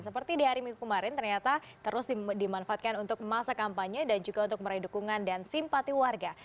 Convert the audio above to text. seperti di hari minggu kemarin ternyata terus dimanfaatkan untuk masa kampanye dan juga untuk meraih dukungan dan simpati warga